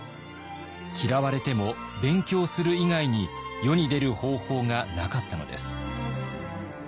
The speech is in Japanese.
嫌われても勉強する以外に世に出る方法がなかったのです。